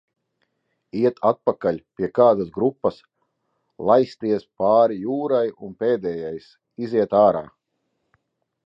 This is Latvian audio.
"Iet atpakaļ pie kādas grupas, laisties pāri jūrai un pēdējais, "iziet ārā"."